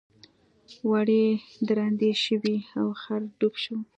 وړۍ درندې شوې او خر ډوب شو.